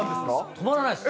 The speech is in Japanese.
止まらないです。